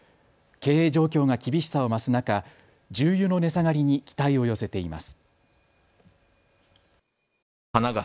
経営状況が厳しさを増す中、重油の値下がりに期待を寄せています。